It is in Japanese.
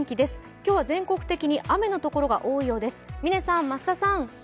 今日は全国的に雨の所が多いようです。